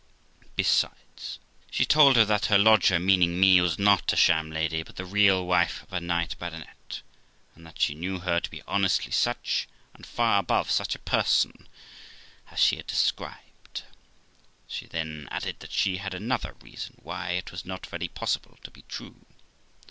Besides, she told her that her lodger, meaning me, was not a sham lady, but the real wife of a knight baronet; and that she knew her to be honestly such, and far above such a person as she had described. She then added that she had another reason why it was not very possible to be true.